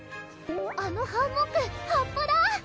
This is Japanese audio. あのハンモック葉っぱだ！